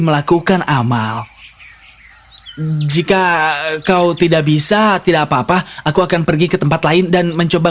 melakukan amal jika kau tidak bisa tidak apa apa aku akan pergi ke tempat lain dan mencoba